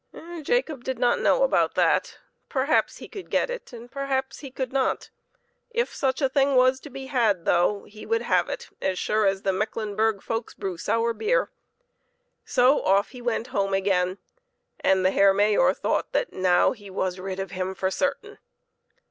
Jacob did not know how about that; perhaps he could get it and perhaps he could not If such a thing was to be had, though, he would have it, as sure as the Mecklenburg folks Jacob shoots at THE SKILLFUL HUNTSMAN. 5 brew sour beer. So off he went home again, and the Herr Mayor thought that now he was rid of him for certain.